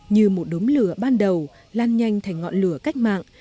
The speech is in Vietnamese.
như một đốm lửa ban đầu lan nhanh thành ngọn lửa cách mạng